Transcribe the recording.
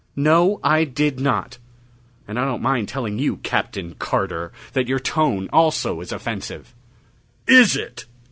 "No, I did not. And I don't mind telling you, Captain Carter, that your tone also is offensive!" "Is it?"